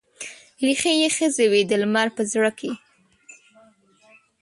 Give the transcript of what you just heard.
ریښې یې ښخې وي د لمر په زړه کې